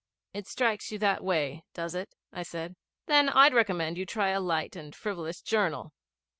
'It strikes you that way, does it?' I said. 'Then I'd recommend you to try a light and frivolous journal.'